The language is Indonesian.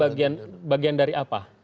pak ini bagian dari apa